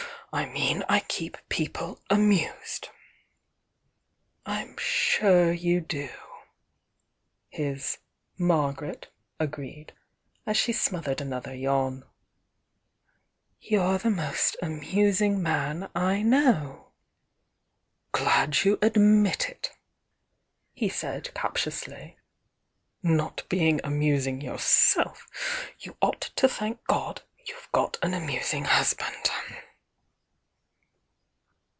I mean I keep peo ple amused." "I'm sure you do!" his "Margaret" agreed, as she smothered another yawn. "You're the most amus ing man I know!" "Glad you admit it!" he said, captiously. "Not being amusing yourself, you ought to thank God you've got an amusing husband!"